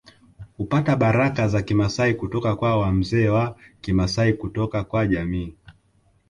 Hupata baraka za Kimasai kutoka kwa wamzee wa Kimasai kutoka kwa jamii